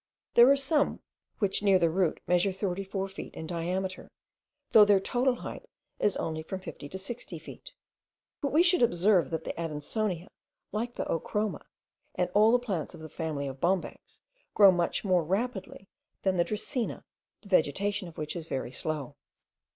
There are some which near the root measure 34 feet in diameter, though their total height is only from 50 to 60 feet. But we should observe, that the Adansonia, like the ochroma, and all the plants of the family of bombax, grow much more rapidly* than the dracaena, the vegetation of which is very slow.